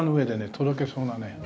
とろけそうなね。